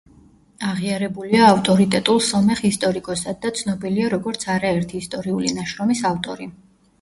აღიარებულია ავტორიტეტულ სომეხ ისტორიკოსად და ცნობილია როგორც არერთი ისტორიული ნაშრომის ავტორი.